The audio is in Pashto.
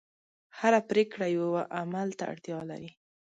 هره پرېکړه یوه عمل ته اړتیا لري.